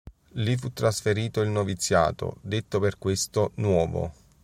Lì fu trasferito il noviziato, detto per questo "nuovo".